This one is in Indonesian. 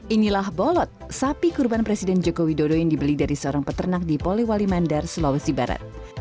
inilah bolot sapi kurban presiden joko widodo yang dibeli dari seorang peternak di polewali mandar sulawesi barat